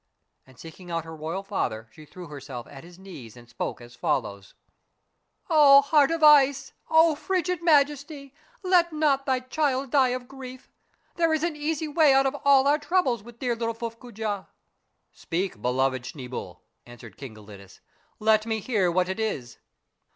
And seeking out her royal father she threw herself at his knees and spoke as follows :—" O heart of ice ! O frigid Majesty, let not thy child die of grief. There is an easy way out of all our trouble with dear little Fuffcoojah." " Speak, beloved Schneeboule," answered King Gelidus, " let me hear what it is."